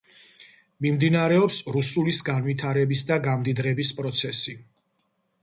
მიმდინარეობს რუსულის განვითარების და გამდიდრების პროცესი.